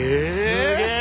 すげえ。